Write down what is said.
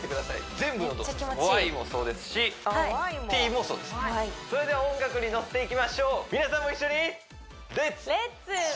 全部ＹもそうですしＴもそうですそれでは音楽にのせていきましょう皆さんも一緒に！